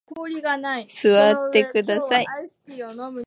座ってください。